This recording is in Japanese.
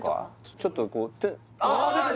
ちょっとこうあっ！